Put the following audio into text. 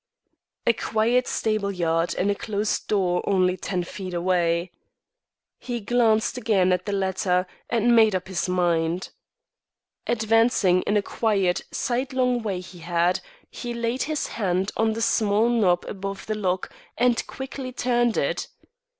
A quiet stable yard and a closed door only ten feet away! He glanced again at the latter, and made up his mind. Advancing in a quiet, sidelong way he had, he laid his hand on the small knob above the lock and quickly turned it.